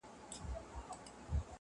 • پرون کاږه وو نن کاږه یو سبا نه سمیږو -